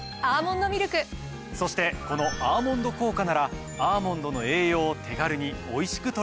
そしてこの「アーモンド効果」ならアーモンドの栄養を手軽においしく取れるんです。